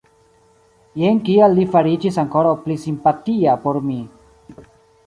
Jen kial li fariĝis ankoraŭ pli simpatia por mi.